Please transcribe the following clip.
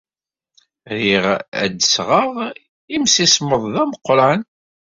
Riɣ ad d-sɣeɣ imsismeḍ d ameqran.